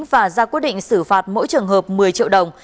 và ra quyết định xử phạt mỗi trường hợp một mươi triệu đồng